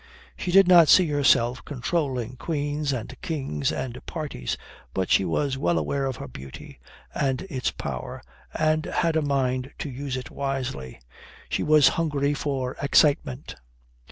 She did not see herself controlling queens and kings and parties, but she was well aware of her beauty and its power, and had a mind to use it widely. She was hungry for excitement.